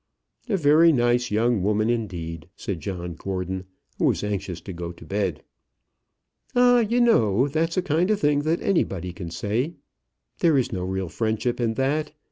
"A very nice young woman indeed," said John Gordon, who was anxious to go to bed. "Ah, you know, that's a kind of thing that anybody can say. There is no real friendship in that.